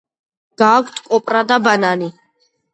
გააქვთ კოპრა და ბანანი.